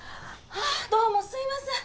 あぁどうもすいません。